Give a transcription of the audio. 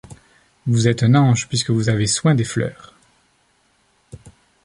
vous êtes un ange puisque vous avez soin des fleurs.